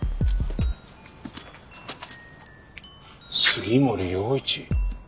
杉森陽一。